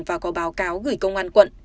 và có báo cáo gửi công an quận